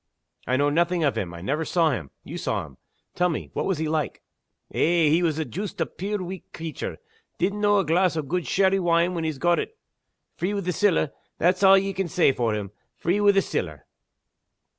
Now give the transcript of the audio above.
"I know nothing of him; I never saw him. You saw him. Tell me what was he like?" "Eh! he was joost a puir weak creature. Didn't know a glass o' good sherry wine when he'd got it. Free wi' the siller that's a' ye can say for him free wi' the siller!"